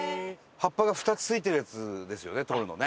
葉っぱが２つ付いてるやつですよね採るのね。